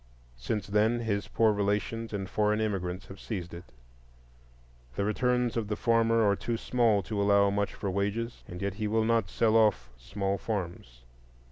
Since then his poor relations and foreign immigrants have seized it. The returns of the farmer are too small to allow much for wages, and yet he will not sell off small farms.